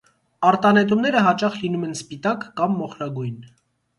Արտանետումները հաճախ լինում են սպիտակ կամ մոխրագույն։